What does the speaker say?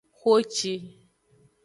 Xoci.